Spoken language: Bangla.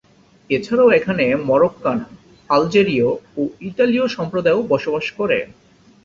এছাড়া এখানে মরোক্কান, আলজেরীয় ও ইতালীয় সম্প্রদায়ও বসবাস করে।